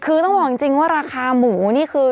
คือต้องบอกจริงว่าราคาหมูนี่คือ